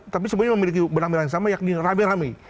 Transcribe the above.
tapi semuanya memiliki benang merah yang sama yakni rame rame